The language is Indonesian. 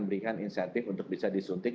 memberikan insentif untuk bisa disuntik